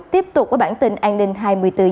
tiếp tục với bản tin an ninh hai mươi bốn h